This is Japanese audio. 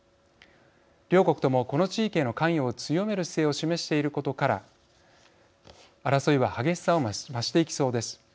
両国ともこの地域への関与を強める姿勢を示していることから争いは激しさを増していきそうです。